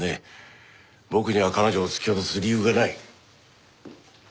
僕には彼女を突き落とす理由がない。